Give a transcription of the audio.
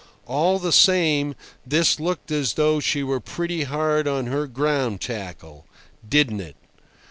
All the same, this looked as though she were pretty hard on her ground tackle. Didn't it?